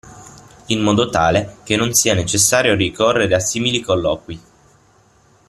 In modo tale che non sia necessario ricorrere a simili colloqui.